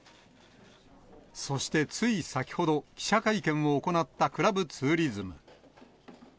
そしてつい先ほど、記者会見を行ったクラブツーリズム。